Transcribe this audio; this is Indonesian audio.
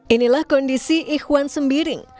inilah kondisi ikhwan sembiring